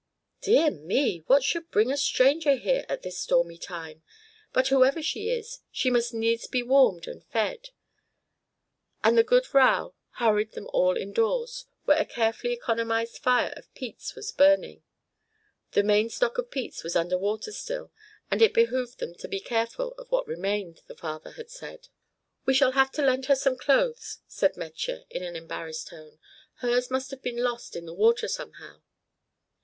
"Dear me! what should bring a stranger here at this stormy time? But whoever she is, she must needs be warmed and fed." And the good Vrow hurried them all indoors, where a carefully economized fire of peats was burning. The main stock of peats was under water still, and it behooved them to be careful of what remained, the father had said. "We shall have to lend her some clothes," said Metje in an embarrassed tone. "Hers must have been lost in the water somehow."